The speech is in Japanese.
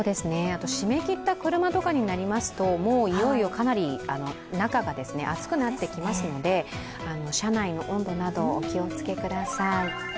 しめ切った車とかになりますと、いよいよかなり中が暑くなってきますので車内の温度などお気をつけください。